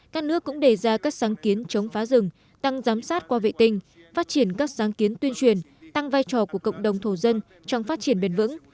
các nước cũng đề ra các sáng kiến chống phá rừng tăng giám sát qua vệ tinh phát triển các sáng kiến tuyên truyền tăng vai trò của cộng đồng thổ dân trong phát triển bền vững